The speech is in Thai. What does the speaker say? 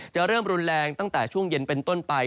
เริ่มรุนแรงตั้งแต่ช่วงเย็นเป็นต้นไป